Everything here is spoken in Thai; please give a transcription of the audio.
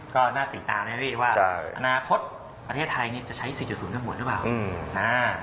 ก็น่าติดตามด้วยว่าอนาคตประเทศไทยจะใช้สิทธิ์อยู่ศูนย์ด้านห่วงหรือเปล่า